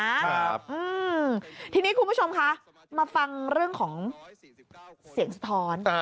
อืมทีนี้คุณผู้ชมคะมาฟังเรื่องของเสียงสะท้อน